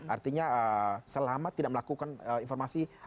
artinya selama tidak melakukan informasi